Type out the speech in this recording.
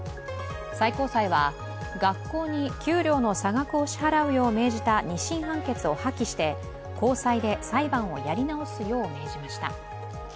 最高裁は学校に給料の差額を支払うよう命じた２審判決を破棄して高裁で裁判をやり直すよう命じました。